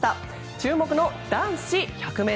注目の男子１００ｍ。